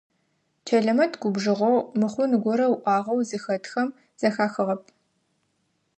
Чэлэмэт губжыгъэу, мыхъун горэ ыӏуагъэу зыхэтхэм зэхахыгъэп.